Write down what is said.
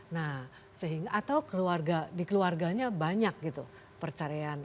nah sehingga atau di keluarganya banyak gitu perceraian